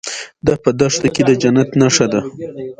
دا په دښته کې د جنت نښه ده.